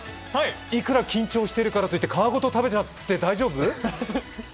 いくら緊張しているとはいっても皮ごと食べちゃって大丈夫？